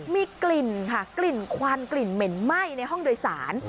มีกลิ่นค่ะกลิ่นควันกลิ่นเหม็นไหม้ในห้องโดยสาร